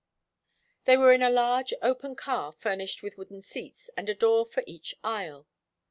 They were in a large, open car furnished with wooden seats and a door for each aisle.